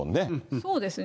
そうですね。